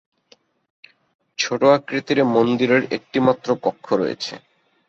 ছোট আকৃতির এ মন্দিরের একটি মাত্র কক্ষ রয়েছে।